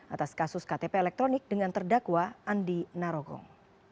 atas kasus ktp elektronik dengan terdakwa andi narogong